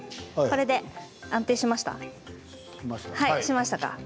これで安定しましたか？